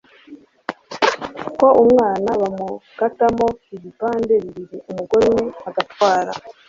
ko umwana bamukatamo ibipande bibiri, umugore umwe agatwara